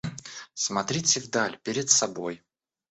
Смотрите в даль перед собой.